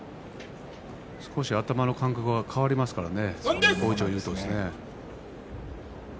少し頭の感覚が変わりますからね。